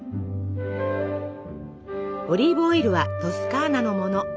オリーブオイルはトスカーナのもの。